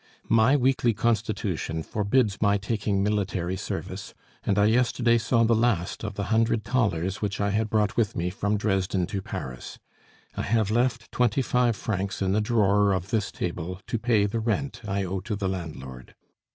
My weakly constitution forbids my taking military service, and I yesterday saw the last of the hundred thalers which I had brought with me from Dresden to Paris. I have left twenty five francs in the drawer of this table to pay the rent I owe to the landlord.